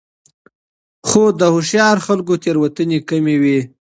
خو د هوښیارو خلکو تېروتنې کمې وي.